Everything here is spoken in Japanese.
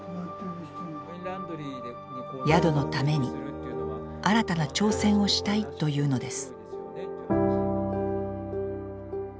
宿のために新たな挑戦をしたいというのです。